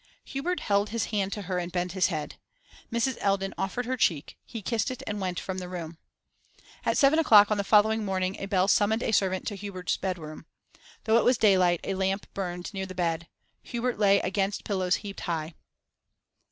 Hubert held his hand to her and bent his head. Mrs. Eldon offered her cheek; he kissed it and went from the room. At seven o'clock on the following morning a bell summoned a servant to Hubert's bedroom. Though it was daylight, a lamp burned near the bed; Hubert lay against pillows heaped high.